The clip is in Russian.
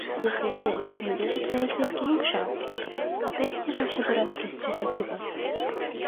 «Если ты эльф, где же твои эльфийские уши?» — «Опять эти ваши дурацкие стереотипы!»